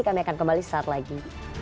kami akan kembali saat lagi